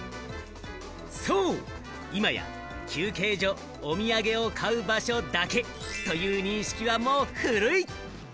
そう、今や休憩所、お土産を買う場所だけという認識はもう古い！